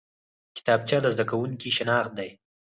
کتابچه د زده کوونکي شناخت دی